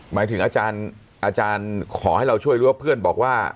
หมายถึงอาจารย์ขอให้เราช่วยหรือว่าเพื่อนบอกว่า